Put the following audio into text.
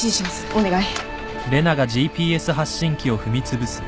お願い。